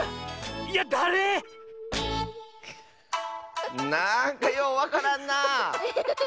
あれ⁉なんかようわからんな。